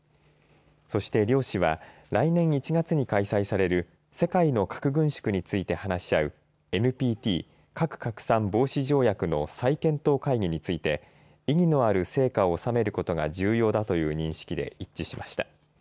そして両氏は来年１月に開催される世界の核軍縮について話し合うＮＰＴ・核拡散防止条約の再検討会議について意義のある成果を収めることが重要だという認識で一致しました。